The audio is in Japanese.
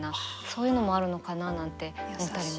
そういうのもあるのかななんて思ったりも。